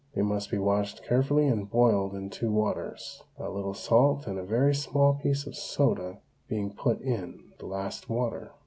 They must be washed carefully and boiled in two waters, a little salt and a very small piece of soda being put in the last water.